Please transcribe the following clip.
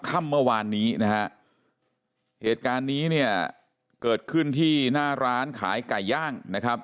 ค่ำเมื่อวานนี้นะฮะเหตุการณ์นี้เนี่ยเกิดขึ้นที่หน้าร้านขายไก่ย่างนะครับ